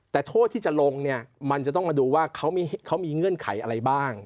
แต่โทษที่จะลงเนี่ยมันจะต้องมาดูว่าเขามีเงื่อนไขอะไรบ้าง